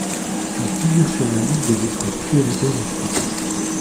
Il figure sur la liste des espèces prioritaires en Suisse.